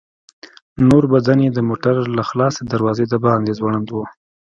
نور بدن يې د موټر له خلاصې دروازې د باندې ځوړند و.